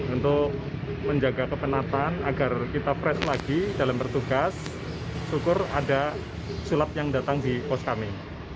untuk menjaga kepenatan agar kita fresh lagi dalam bertugas syukur ada sulap yang datang di pos kami